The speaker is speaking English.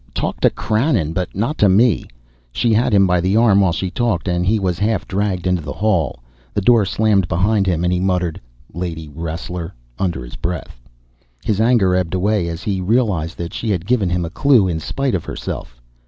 Talk to Krannon, but not to me." She had him by the arm while she talked and he was half dragged to the hall. The door slammed behind him and he muttered "lady wrestler" under his breath. His anger ebbed away as he realized that she had given him a clue in spite of herself.